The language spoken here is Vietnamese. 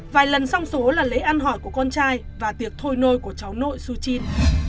vài lần song số là lễ ăn hỏi của con trai và tiệc thôi nôi của cháu nội su chin